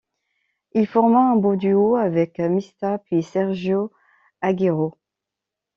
Il forma un beau duo avec Mista puis Sergio Agüero.